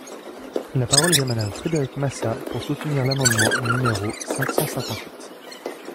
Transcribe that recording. La parole est à Madame Frédérique Massat, pour soutenir l’amendement numéro cinq cent cinquante-huit.